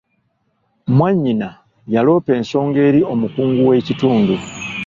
Mwannyina yaloopa ensonga eri omukungu w'ekitundu.